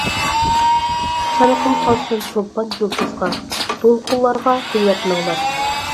چانىقىم قالسۇن چولپان يۇلتۇزغا دولقۇنلارغا قويۇۋەتمەڭلار.